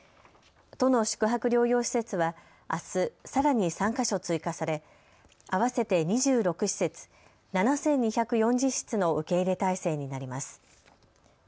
都の宿泊療養施設は、あす、さらに３か所追加され合わせて２６施設、７２４０室の受け入れ体制になります。